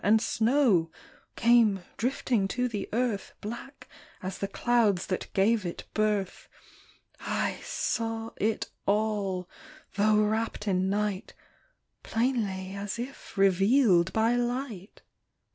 And snow came drifting to the earth, Black as the clouds that gave it birth. I saw it all — though wrapped in night — Plainly as if revealed by light.